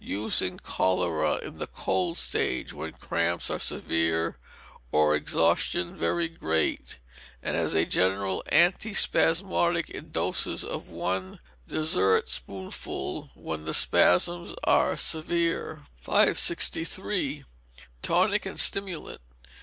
Use in cholera in the cold stage, when cramps are severe, or exhaustion very great; and as a general antispasmodic in doses of one dessert spoonful when the spasms are severe. 563. Tonic and Stimulant.